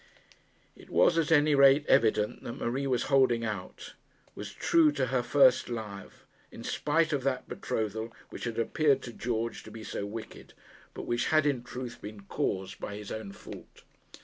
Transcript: It was at any rate evident that Marie was holding out, was true to her first love, in spite of that betrothal which had appeared to George to be so wicked, but which had in truth been caused by his own fault.